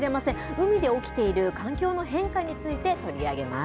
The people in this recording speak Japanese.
海で起きている環境の変化について取り上げます。